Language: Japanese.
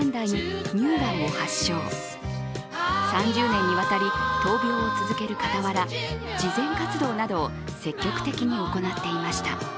３０年にわたり闘病を続ける傍ら、慈善活動などを積極的に行っていました。